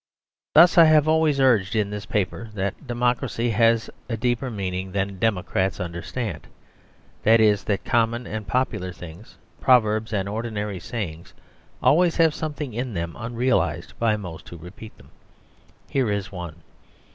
Thus I have always urged in this paper that democracy has a deeper meaning than democrats understand; that is, that common and popular things, proverbs, and ordinary sayings always have something in them unrealised by most who repeat them. Here is one.